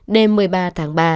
đêm một mươi ba tháng ba